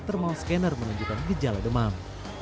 termoskener menunjukkan gejala demam